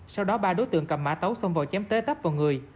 sau đó ba đối tượng cầm mã tấu xông vào chém tế tấp vào người